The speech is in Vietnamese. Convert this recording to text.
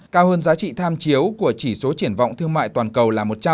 cao hơn giá trị tham chiếu của chỉ số triển vọng thương mại toàn cầu là một trăm linh